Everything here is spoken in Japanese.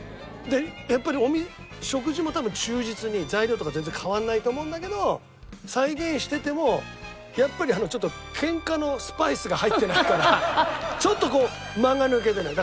やっぱり食事も多分忠実に材料とか全然変わらないと思うんだけど再現しててもやっぱりケンカのスパイスが入ってないからちょっとこう間が抜けてるのよ。